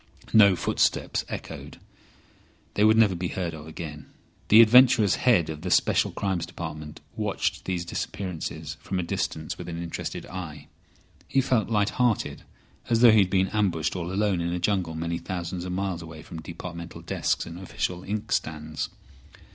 No footsteps echoed. They would never be heard of again. The adventurous head of the Special Crimes Department watched these disappearances from a distance with an interested eye. He felt light hearted, as though he had been ambushed all alone in a jungle many thousands of miles away from departmental desks and official inkstands.